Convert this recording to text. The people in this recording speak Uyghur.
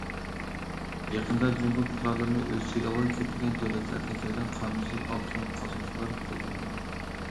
يېقىندا، جۇڭگو پۇقرالىرىنى ئۆز ئىچىگە ئالغان كۆپلىگەن دۆلەتلەردىن كەلگەن قانۇنسىز ئالتۇن قازغۇچىلار قولغا ئېلىندى.